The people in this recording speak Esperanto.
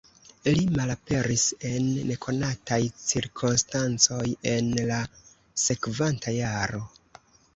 Li malaperis en nekonataj cirkonstancoj en la sekvanta jaro.